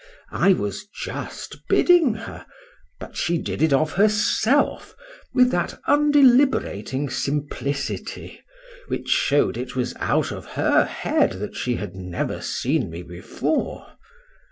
—I was just bidding her,—but she did it of herself, with that undeliberating simplicity, which show'd it was out of her head that she had never seen me before.